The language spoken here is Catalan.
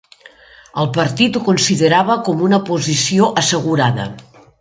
El partit ho considerava com una posició assegurada.